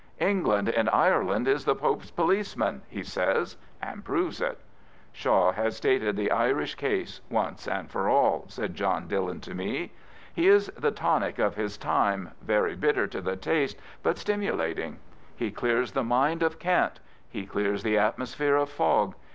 England in Ireland is the Pope's police man/' he says, and proves it. Shaw has stated the Irish case once and for aU," said John Dillon to me. «4 George Bernard Shaw He is the tonic of his time, very bitter to the taste, but stimulating. He clears the mind of cant. He clears the atmosphere of fog.